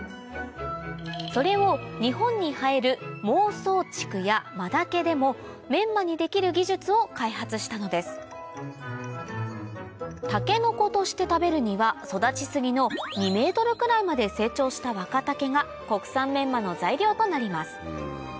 それを日本に生える孟宗竹や真竹でもメンマにできる技術を開発したのですタケノコとして食べるには育ち過ぎの２ｍくらいまで成長した若竹が国産メンマの材料となります